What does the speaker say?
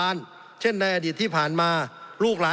สงบจนจะตายหมดแล้วครับ